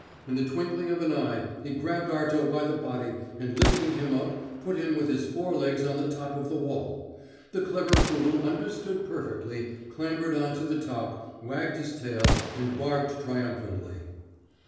In the twinkling of an eye he grabbed Arto by the body, and lifting him up put him with his fore legs on the top of the wall. The clever poodle understood perfectly, clambered on to the top, wagged his tail and barked triumphantly.